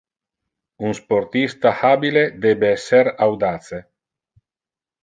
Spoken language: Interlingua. Un sportista habile debe esser audace.